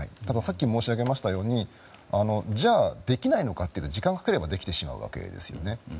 ただ、さっき申し上げましたとおりにじゃあ、できないのかというと時間かければできてしまうわけですよね。